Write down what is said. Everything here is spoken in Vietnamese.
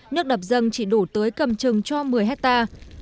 nước đập dân chỉ đủ tưới cầm chừng cho một mươi hectare